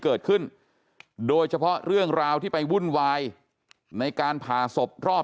เกิดขึ้นโดยเฉพาะเรื่องราวที่ไปวุ่นวายในการผ่าศพรอบ